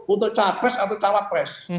untuk capres atau cawapres